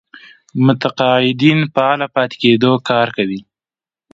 متقاعدين فعاله پاتې کېدو کار کوي.